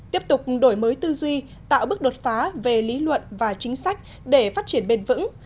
tiếp tục đổi mới tư duy tạo bước đột phá về lý luận và chính sách để phát triển bền vững